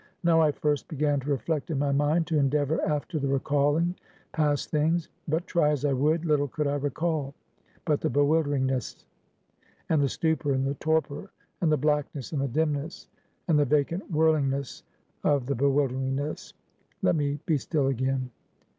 Now I first began to reflect in my mind; to endeavor after the recalling past things; but try as I would, little could I recall, but the bewilderingness; and the stupor, and the torpor, and the blackness, and the dimness, and the vacant whirlingness of the bewilderingness. Let me be still again."